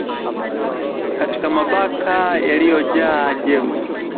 katika mabaka yaliyojaa jeuri